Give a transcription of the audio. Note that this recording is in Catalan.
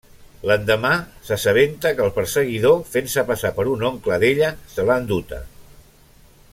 L'endemà, s'assabenta que el perseguidor, fent-se passar per un oncle d'ella, se l'ha enduta.